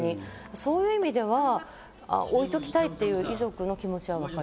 そういう意味では置いておきたいという遺族の気持ちはわかる。